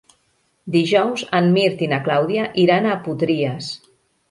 Dijous en Mirt i na Clàudia iran a Potries.